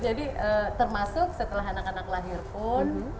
jadi termasuk setelah anak anak lahir pun